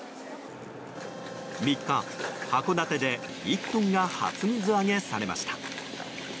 ３日、函館で１トンが初水揚げされました。